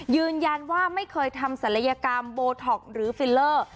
ยืนยันว่าไม่เคยทำศัลยกรรมโบท็อกหรือฟิลเลอร์